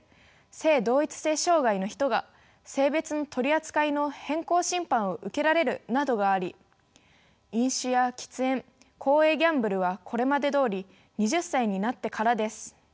性同一性障害の人が性別の取り扱いの変更審判を受けられるなどがあり飲酒や喫煙公営ギャンブルはこれまでどおり２０歳になってからです。